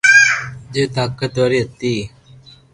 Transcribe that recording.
جي طاقتواري ھتي